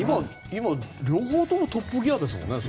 今、両方ともトップギアですもんね。